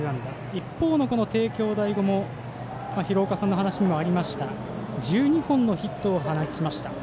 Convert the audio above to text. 一方の帝京第五も廣岡さんの話にもありました１２本のヒットを放ちました。